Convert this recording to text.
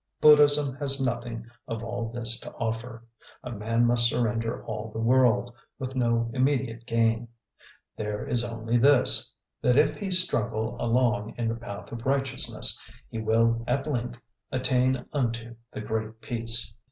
Buddhism has nothing of all this to offer. A man must surrender all the world, with no immediate gain. There is only this: that if he struggle along in the path of righteousness, he will at length attain unto the Great Peace.